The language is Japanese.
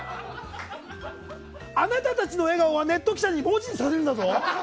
あなたたちの笑顔はネット記者に文字にされるんだぞ。